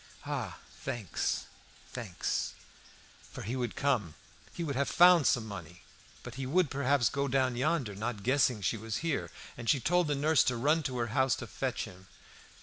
"Ah! thanks, thanks!" For he would come; he would have found some money. But he would, perhaps, go down yonder, not guessing she was here, and she told the nurse to run to her house to fetch him.